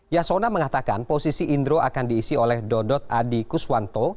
yasona mengatakan posisi indro akan diisi oleh dodot adi kuswanto